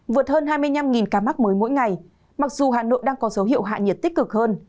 vượt hơn hai mươi năm ca mắc mới mỗi ngày mặc dù hà nội đang có dấu hiệu hạ nhiệt tích cực hơn